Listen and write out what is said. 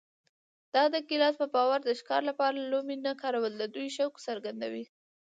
د ډاګلاس په باور د ښکار لپاره لومې نه کارول د دوی شوق څرګندوي